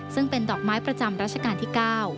ซึ่งเป็นดอกไม้ประจำรัชกาลที่๙